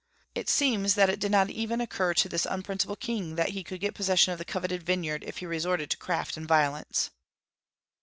It seems that it did not occur even to this unprincipled king that he could get possession of the coveted vineyard if he resorted to craft and violence.